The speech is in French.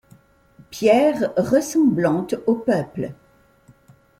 Pierre ressemblante au peuple.